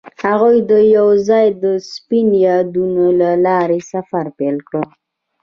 هغوی یوځای د سپین یادونه له لارې سفر پیل کړ.